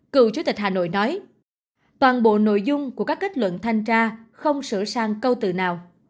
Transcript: cựu chủ tịch hà nội nói toàn bộ nội dung của các kết luận thanh tra không sửa sang câu tự nào